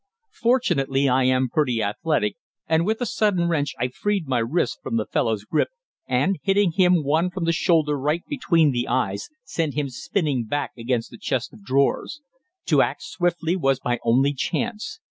Fortunately I am pretty athletic, and with a sudden wrench I freed my wrists from the fellow's grip, and, hitting him one from the shoulder right between the eyes, sent him spinning back against the chest of drawers. To act swiftly was my only chance.